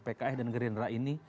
pks dan gerindra ini